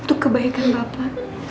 untuk kebaikan bapak